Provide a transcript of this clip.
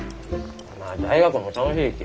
まあ大学も楽しいき。